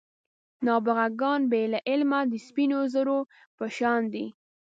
نابغه ګان بې له علمه د سپینو زرو په شان دي.